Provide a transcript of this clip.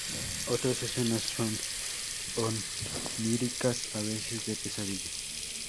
Otras escenas son "oníricas, a veces de pesadilla".